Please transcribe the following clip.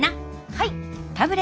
はい！